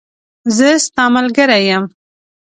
زه ستاملګری یم .